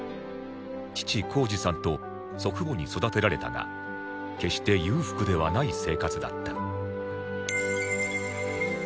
父耕治さんと祖父母に育てられたが決して裕福ではない生活だった